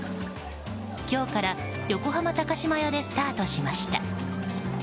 今日から横浜高島屋でスタートしました。